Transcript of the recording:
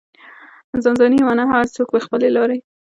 ځان ځاني مانا هر څوک په خپلې لارې.